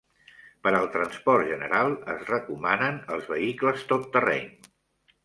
Per al transport general es recomanen els vehicles tot terreny.